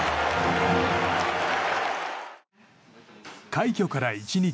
快挙から１日。